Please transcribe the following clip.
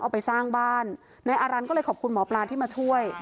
เอาไปสร้างบ้านนายอารันทร์ก็เลยขอบคุณหมอปลาที่มาช่วย